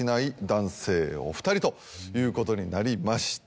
男性お２人ということになりました。